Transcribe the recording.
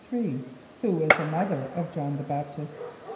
= Who was the mother of J[)o]hn the B[)a]p´t[)i]st?